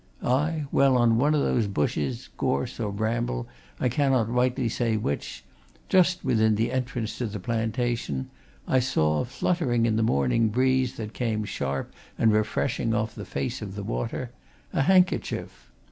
Aye, well, on one of those bushes, gorse or bramble I cannot rightly say which, just within the entrance to the plantation, I saw, fluttering in the morning breeze that came sharp and refreshing off the face of the water, a handkerchief.